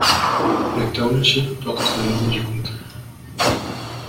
Le township porte le nom du comté.